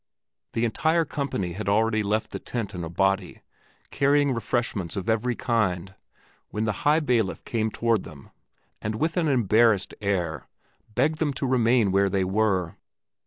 The entire company had already left the tent in a body, carrying refreshments of every kind, when the High Bailiff came toward them and with an embarrassed air begged them to remain where they were.